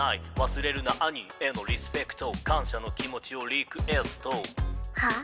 忘れるな兄へのリスペクト感謝の気持ちをリクエストはあ？